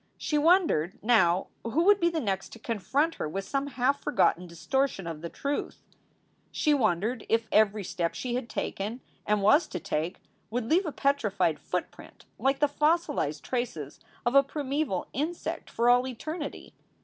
She wondered now who would be the next to confront her with some half forgotten distortion of the truth. She SOULS FOR SALE 357 wondered if every step she had taken and was to take would leave a petrified footprint like the fossilized traces of a primeval insect for all eternity.